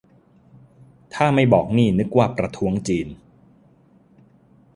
ถ้าไม่บอกนี่นึกว่าประท้วงจีน